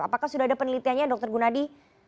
apakah sudah ada penelitiannya dr gunadi